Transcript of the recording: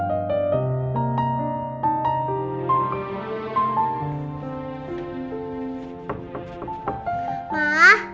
masa itu udah berakhir